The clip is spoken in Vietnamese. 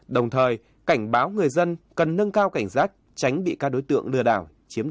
đồng thời cảnh báo người dân cần nâng cao cảnh sát tránh bị các đối tượng lừa đảo